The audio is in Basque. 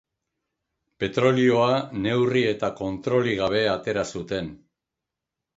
Petrolioa neurri eta kontrolik gabe atera zuten.